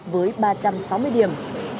với ba trăm sáu mươi điểm